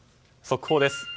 速報です。